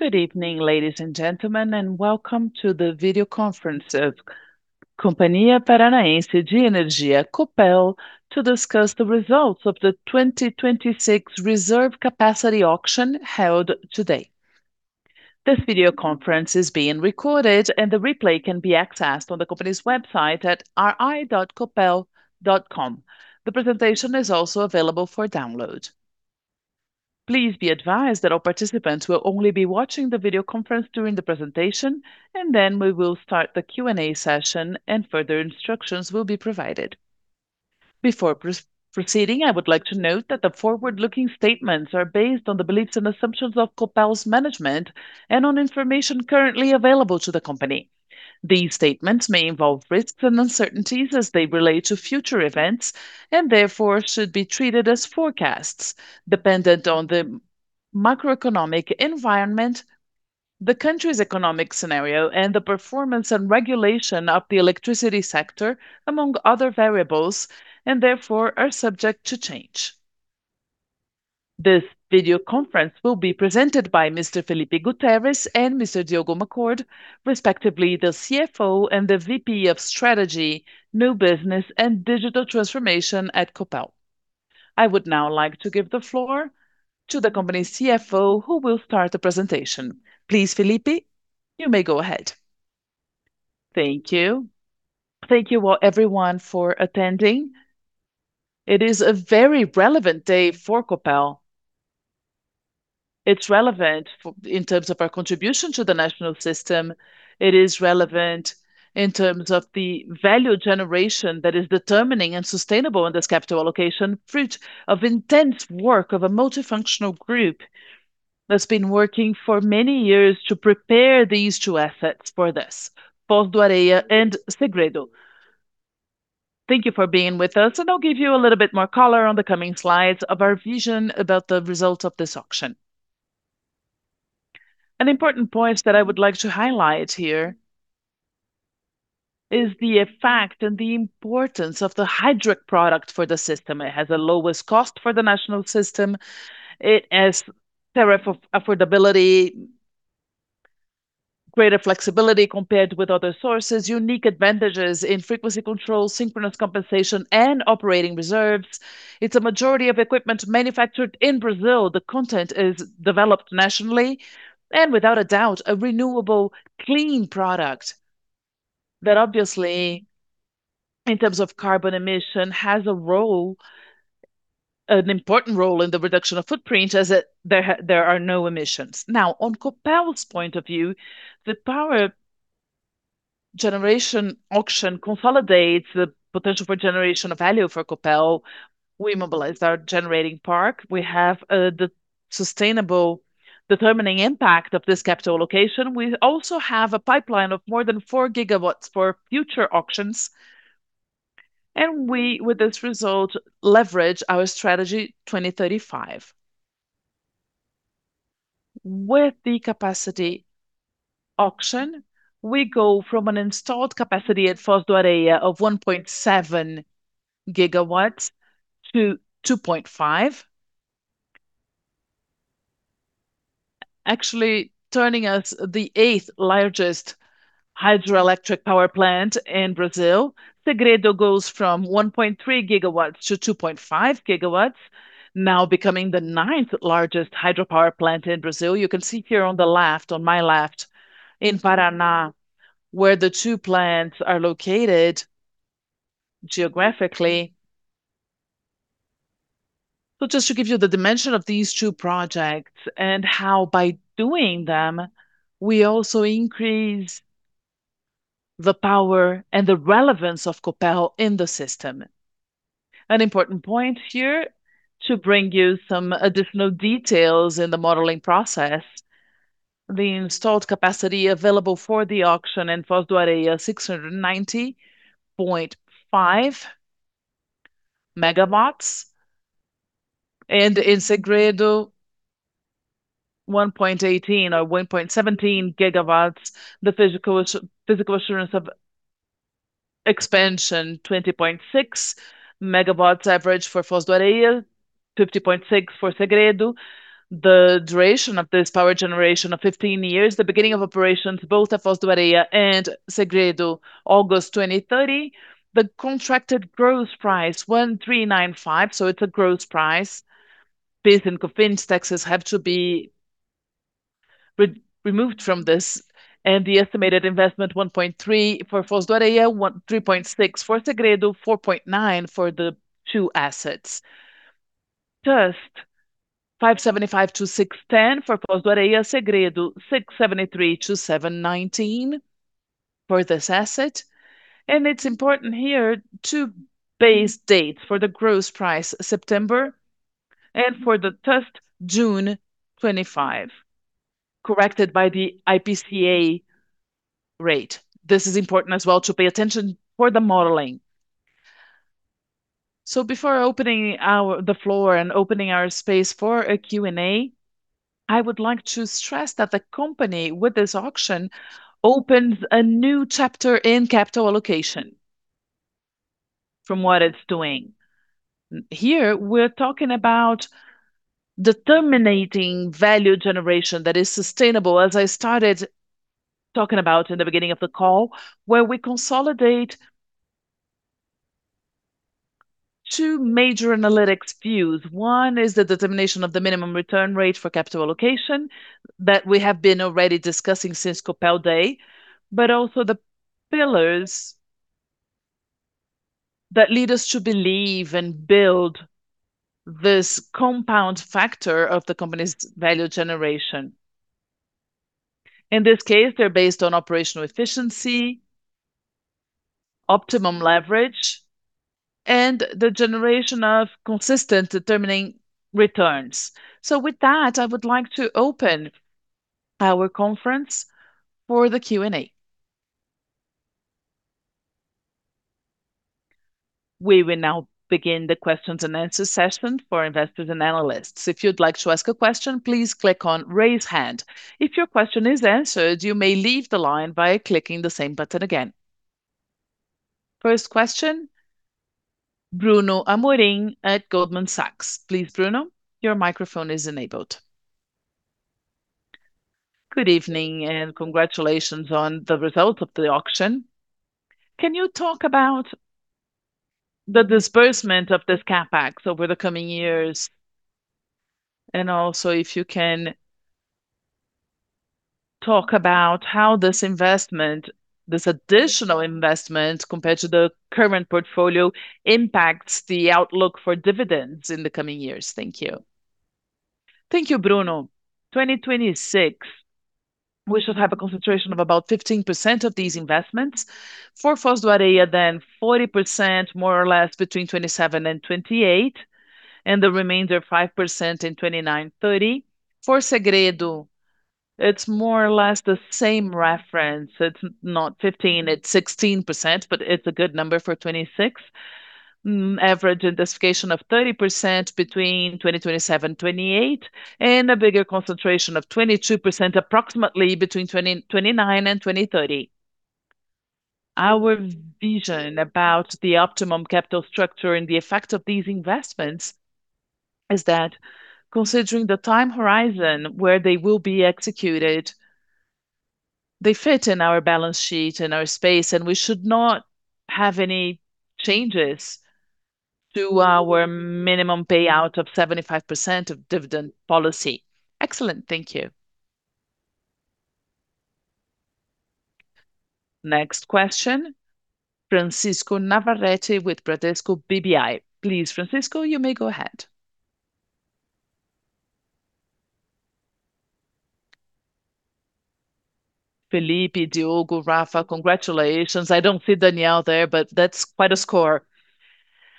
Good evening, ladies and gentlemen, and welcome to the video conference of Companhia Paranaense de Energia, Copel, to discuss the results of the 2026 Reserve Capacity Auction held today. This video conference is being recorded, and the replay can be accessed on the company's website at ri.copel.com. The presentation is also available for download. Please be advised that all participants will only be watching the video conference during the presentation, and then we will start the Q&A session and further instructions will be provided. Before proceeding, I would like to note that the forward-looking statements are based on the beliefs and assumptions of Copel's management and on information currently available to the company. These statements may involve risks and uncertainties as they relate to future events, and therefore should be treated as forecasts dependent on the macroeconomic environment, the country's economic scenario, and the performance and regulation of the electricity sector, among other variables, and therefore, are subject to change. This video conference will be presented by Mr. Felipe Gutterres and Mr. Diogo Mac Cord, respectively the CFO and the VP of Strategy, New Business and Digital Transformation at Copel. I would now like to give the floor to the company's CFO, who will start the presentation. Please, Felipe, you may go ahead. Thank you. Thank you, everyone for attending. It is a very relevant day for Copel. It's relevant in terms of our contribution to the National System. It is relevant in terms of the value generation that is determining and sustainable in this capital allocation, fruit of intense work of a multifunctional group that's been working for many years to prepare these two assets for this, Foz do Areia and Segredo. Thank you for being with us, and I'll give you a little bit more color on the coming slides of our vision about the results of this auction. An important point that I would like to highlight here is the effect and the importance of the hydric product for the system. It has the lowest cost for the National System. It has tariff of affordability, greater flexibility compared with other sources, unique advantages in frequency control, synchronous compensation, and operating reserves. It's a majority of equipment manufactured in Brazil. The content is developed nationally and without a doubt, a renewable clean product that obviously, in terms of carbon emission, has a role, an important role in the reduction of footprint, there are no emissions. Now, on Copel's point of view, the power generation auction consolidates the potential for generation of value for Copel. We mobilized our generating park. We have the sustainable determining impact of this capital allocation. We also have a pipeline of more than 4 GW for future auctions, and we, with this result, leverage our Strategy 2035. With the capacity auction, we go from an installed capacity at Foz do Areia of 1.7 GW to 2.5 GW. Actually, turning us into the eighth largest hydroelectric power plant in Brazil. Segredo goes from 1.3 GW to 2.5 GW, now becoming the ninth largest hydropower plant in Brazil. You can see here on the left, on my left, in Paraná where the two plants are located geographically. Just to give you the dimension of these two projects and how by doing them, we also increase the power and the relevance of Copel in the system. An important point here to bring you some additional details in the modeling process. The installed capacity available for the auction in Foz do Areia, 690.5 MW, and in Segredo, 1.18 GW or 1.17 GW. The physical assurance of expansion, 20.6 MW average for Foz do Areia, 50.6 MW for Segredo. The duration of this power generation of 15 years. The beginning of operations, both at Foz do Areia and Segredo, August 2030. The contracted gross price, 1,395, so it's a gross price. This and COFINS taxes have to be removed from this. The estimated investment, 1.3 billion for Foz do Areia, 3.6 billion for Segredo, 4.9 billion for the two assets. TUST, 5.75-6.10 for Foz do Areia. Segredo, 673-719 for this asset. It's important here, two base dates for the gross price, September, and for the TUST, June 2025, corrected by the IPCA rate. This is important as well to pay attention for the modeling. Before opening the floor and opening our space for a Q&A, I would like to stress that the company with this auction opens a new chapter in capital allocation from what it's doing. Here, we're talking about the terminating value generation that is sustainable, as I started talking about in the beginning of the call, where we consolidate two major analytics views. One is the determination of the minimum return rate for capital allocation that we have been already discussing since Copel Day, but also the pillars that lead us to believe and build this compound factor of the company's value generation. In this case, they're based on operational efficiency, optimum leverage, and the generation of consistent determining returns. With that, I would like to open our conference for the Q&A. We will now begin the questions and answer session for investors and analysts. If you'd like to ask a question, please click on Raise Hand. If your question is answered, you may leave the line by clicking the same button again. First question, Bruno Amorim at Goldman Sachs. Please, Bruno, your microphone is enabled. Good evening, and congratulations on the results of the auction. Can you talk about the disbursement of this CapEx over the coming years? And also, if you can talk about how this investment, this additional investment compared to the current portfolio, impacts the outlook for dividends in the coming years. Thank you. Thank you, Bruno. 2026, we should have a concentration of about 15% of these investments. For Foz do Areia then, 40% more or less between 2027 and 2028, and the remainder, 5% in 2029, 2030. For Segredo, it's more or less the same reference. It's not 15%, it's 16%, but it's a good number for 2026. Average investment of 30% between 2027, 2028, and a bigger concentration of 22% approximately between 2029 and 2030. Our vision about the optimum capital structure and the effect of these investments is that considering the time horizon where they will be executed, they fit in our balance sheet and our space, and we should not have any changes to our minimum payout of 75% of dividend policy. Excellent. Thank you. Next question, Francisco Navarrete with Bradesco BBI. Please, Francisco, you may go ahead. Felipe, Diogo, Rafa, congratulations. I don't see Daniel there, but that's quite a score.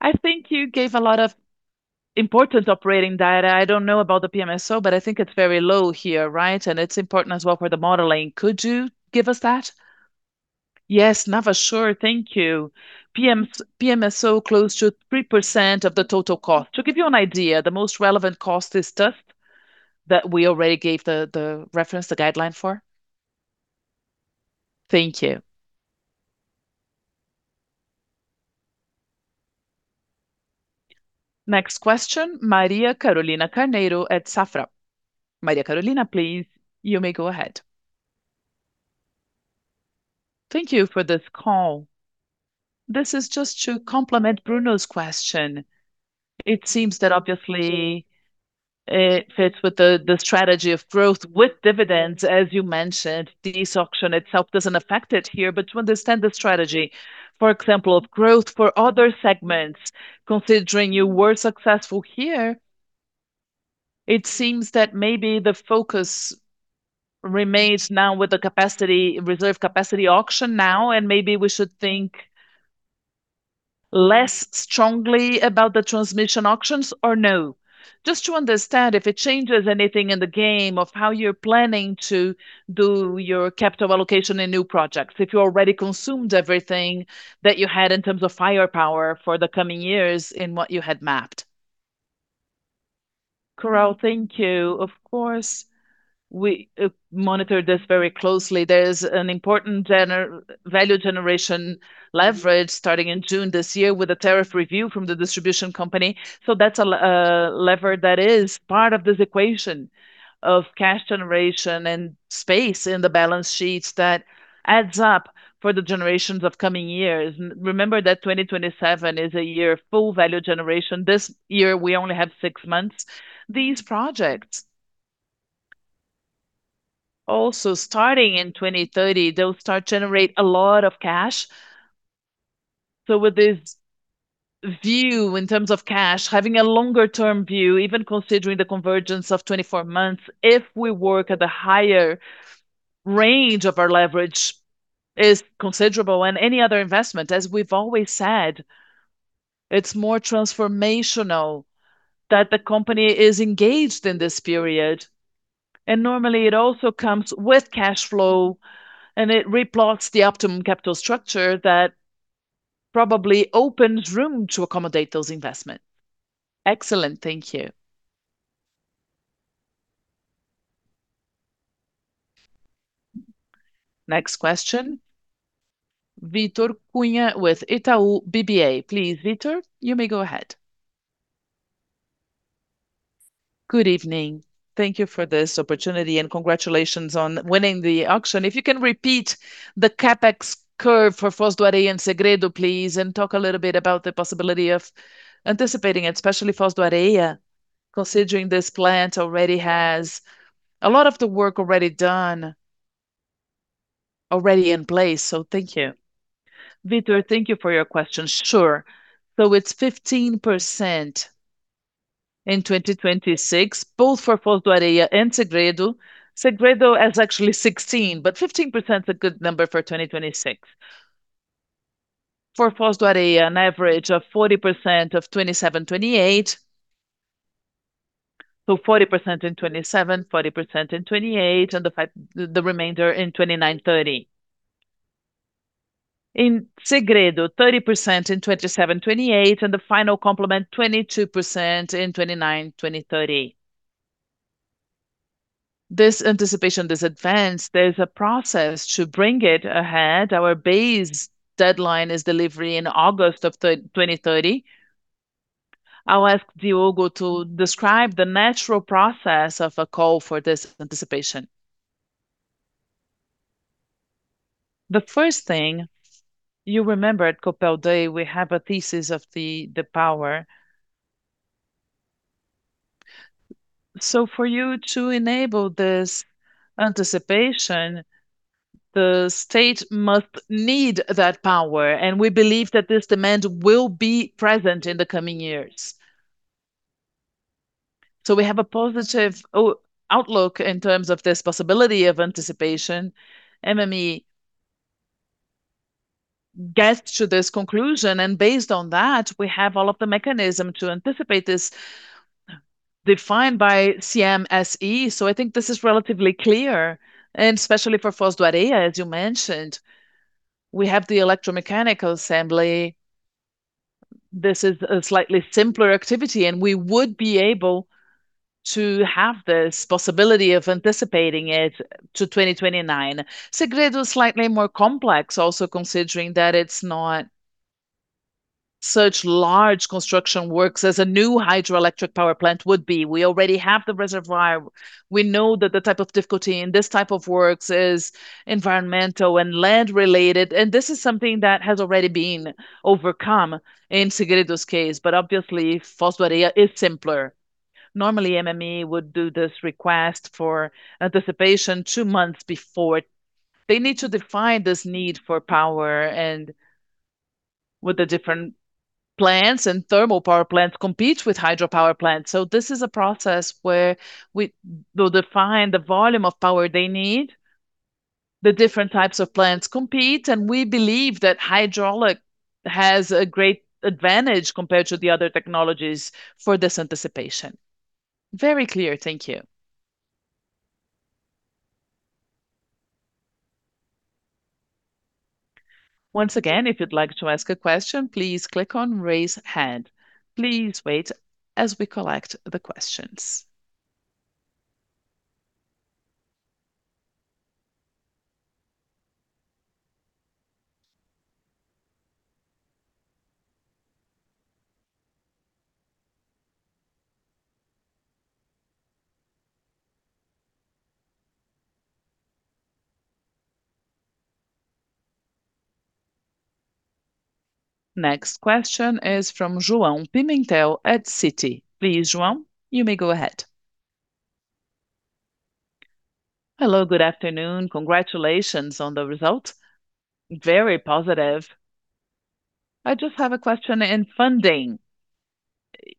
I think you gave a lot of important operating data. I don't know about the PMSO, but I think it's very low here, right? It's important as well for the modeling. Could you give us that? Yes. Nava, sure. Thank you. PMSO, close to 3% of the total cost. To give you an idea, the most relevant cost is TUST that we already gave the reference, the guideline for. Thank you. Next question, Maria Carolina Carneiro at Safra. Maria Carolina, please, you may go ahead. Thank you for this call. This is just to complement Bruno's question. It seems that obviously it fits with the strategy of growth with dividends, as you mentioned. This auction itself doesn't affect it here. But to understand the strategy, for example, of growth for other segments, considering you were successful here, it seems that maybe the focus remains now with the capacity, Reserve Capacity Auction now, and maybe we should think less strongly about the transmission auctions or no? Just to understand if it changes anything in the game of how you're planning to do your capital allocation in new projects, if you already consumed everything that you had in terms of firepower for the coming years in what you had mapped? Carol, thank you. Of course, we monitor this very closely. There is an important value generation leverage starting in June this year with a tariff review from the distribution company, so that's a leverage that is part of this equation of cash generation and space in the balance sheets that adds up for the generations of coming years. Remember that 2027 is a year full value generation. This year we only have six months. These projects also starting in 2030, they'll start to generate a lot of cash. With this view, in terms of cash, having a longer term view, even considering the convergence of 24 months, if we work at the higher range of our leverage is considerable. Any other investment, as we've always said, it's more transformational that the company is engaged in this period, and normally, it also comes with cash flow, and it replots the optimum capital structure that probably opens room to accommodate those investments. Excellent. Thank you. Next question, Victor Cunha with Itaú BBA. Please, Victor, you may go ahead. Good evening. Thank you for this opportunity, and congratulations on winning the auction. If you can repeat the CapEx curve for Foz do Areia and Segredo, please, and talk a little bit about the possibility of anticipating it, especially Foz do Areia, considering this plant already has a lot of the work already done, already in place. Thank you. Victor, thank you for your question. Sure. It's 15% in 2026, both for Foz do Areia and Segredo. Segredo is actually 16%, but 15% is a good number for 2026. For Foz do Areia, an average of 40% in 2027, 2028. 40% in 2027, 40% in 2028, and the remainder in 2029, 2030. In Segredo, 30% in 2027, 2028, and the final complement, 22% in 2029, 2030. This anticipation, this advance, there's a process to bring it ahead. Our base deadline is delivery in August of 2030. I'll ask Diogo to describe the natural process of a call for this anticipation. The first thing, you remember at Copel Day, we have a thesis of the power. For you to enable this anticipation, the state must need that power, and we believe that this demand will be present in the coming years. We have a positive outlook in terms of this possibility of anticipation. MME gets to this conclusion, and based on that, we have all of the mechanism to anticipate this, defined by CMSE, so I think this is relatively clear, and especially for Foz do Areia, as you mentioned. We have the electromechanical assembly. This is a slightly simpler activity, and we would be able to have this possibility of anticipating it to 2029. Segredo's slightly more complex, also considering that it's not such large construction works as a new hydroelectric power plant would be. We already have the reservoir. We know that the type of difficulty in this type of works is environmental and land-related, and this is something that has already been overcome in Segredo's case. Obviously Foz do Areia is simpler. Normally, MME would do this request for anticipation two months before. They need to define this need for power and with the different plants, and thermal power plants compete with hydropower plants. This is a process where they'll define the volume of power they need, the different types of plants compete, and we believe that hydraulic has a great advantage compared to the other technologies for this anticipation. Very clear. Thank you. Once again, if you'd like to ask a question, please click on Raise Hand. Please wait as we collect the questions. Next question is from João Pimentel at Citi. Please, João, you may go ahead. Hello, good afternoon. Congratulations on the results. Very positive. I just have a question in funding.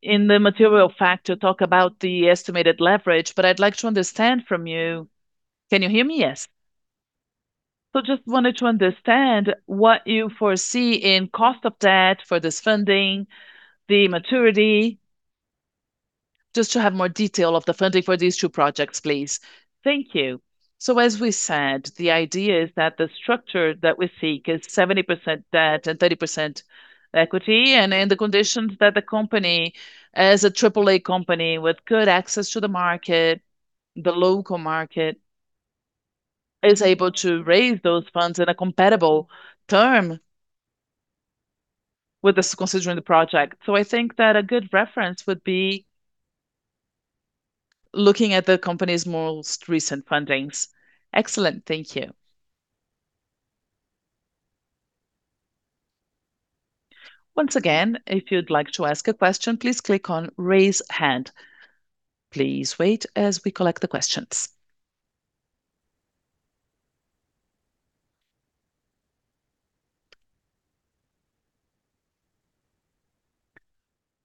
In the material fact, you talk about the estimated leverage, but I'd like to understand from you. Can you hear me? Yes. Just wanted to understand what you foresee in cost of debt for this funding, the maturity? Just to have more detail of the funding for these two projects, please? Thank you. As we said, the idea is that the structure that we seek is 70% debt and 30% equity. In the conditions that the company, as a AAA company with good access to the market, the local market, is able to raise those funds in a compatible term with this, considering the project. I think that a good reference would be looking at the company's most recent fundings. Excellent. Thank you. Once again, if you'd like to ask a question, please click on Raise Hand. Please wait as we collect the questions.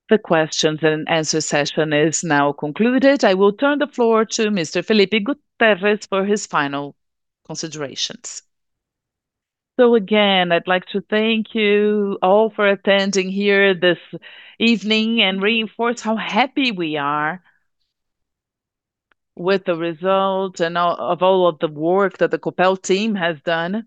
The questions and answers session is now concluded. I will turn the floor to Mr. Felipe Gutterres for his final considerations. Again, I'd like to thank you all for attending here this evening and reinforce how happy we are with the results and all of the work that the Copel team has done.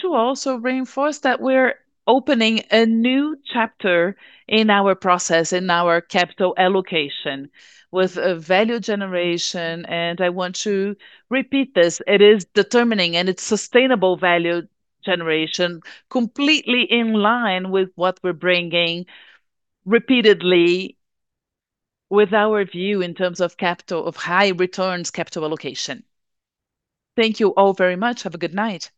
To also reinforce that we're opening a new chapter in our process, in our capital allocation, with value generation, and I want to repeat this. It is determining and it's sustainable value generation, completely in line with what we're bringing repeatedly with our view in terms of capital, of high returns capital allocation. Thank you all very much. Have a good night.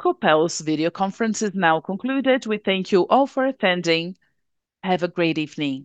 Copel's video conference is now concluded. We thank you all for attending. Have a great evening.